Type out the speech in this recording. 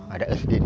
ada sd di sini